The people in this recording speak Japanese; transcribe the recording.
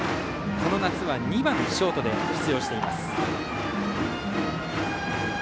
この夏は２番、ショートで出場しています。